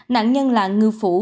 nạn nhân là ngư phủ